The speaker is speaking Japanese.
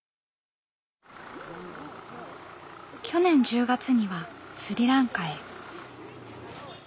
去年１０月にはスリランカへ。